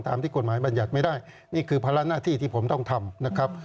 ที่กฎหมายบรรยัติไม่ได้นี่คือภาระหน้าที่ที่ผมต้องทำนะครับ